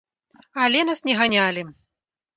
Але нас не ганялі.